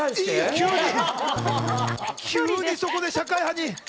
急にそこで社会派に？